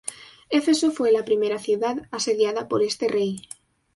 Éfeso fue la primera ciudad asediada por este rey.